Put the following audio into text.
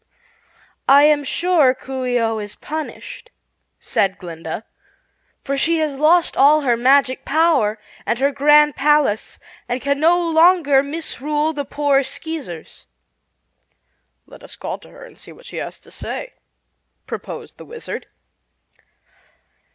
"I am sure Coo ee oh is punished," said Glinda, "for she has lost all her magic power and her grand palace and can no longer misrule the poor Skeezers." "Let us call to her, and hear what she has to say," proposed the Wizard.